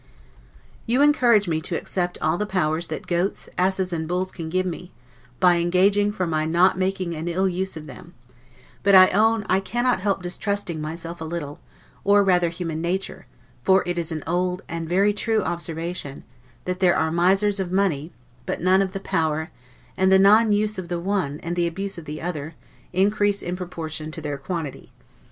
You encourage me to accept all the powers that goats, asses, and bulls, can give me, by engaging for my not making an ill use of them; but I own, I cannot help distrusting myself a little, or rather human nature; for it is an old and very true observation, that there are misers of money, but none of power; and the non use of the one, and the abuse of the other, increase in proportion to their quantity.